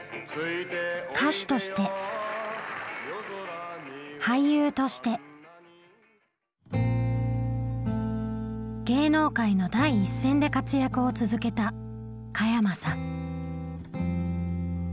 歌手として俳優として芸能界の第一線で活躍を続けた加山さん。